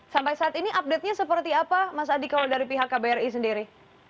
sampai saat ini update nya seperti apa mas adi kalau dari pihak kbri sendiri